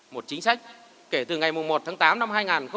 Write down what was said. một chính sách kể từ ngày một tháng tám năm hai nghìn một mươi tám